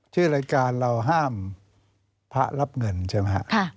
ชื่อรายการเราห้ามพระรับเงินใช่ไหมครับ